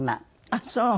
ああそう。